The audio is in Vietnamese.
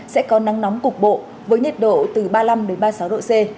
sẽ có nắng nóng cục bộ với nhiệt độ từ ba mươi năm ba mươi sáu độ c